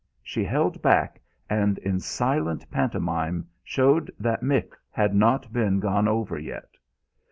She held back, and in silent pantomime showed that Mick had not been gone over yet.